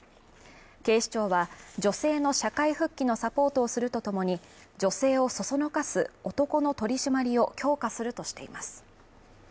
警視庁は、女性の社会復帰のサポートをするとともに、女性をそそのかす男の取り締まりを強化するとしています。